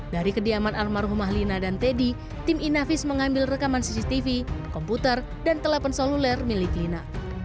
dari kediaman almarhumah lina dan teddy tim inavis mengambil rekaman cctv komputer dan telepon seluler milik lina